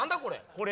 これ。